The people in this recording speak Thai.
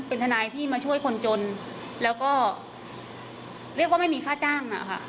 เป็นทนายที่มาช่วยคนจนแล้วก็เรียกว่าไม่มีค่าจ้างนะคะ